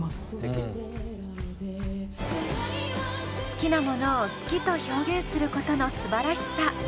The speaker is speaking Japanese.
好きなものを好きと表現することのすばらしさ。